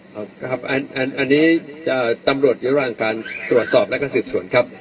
ครับอันนี้ตำรวจอยู่ระหว่างการตรวจสอบและก็สืบสวนครับ